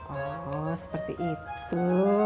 oh seperti itu